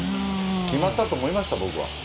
決まったと思いました、僕は。